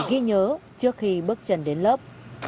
ghi nhớ trước khi bước chân đến lớp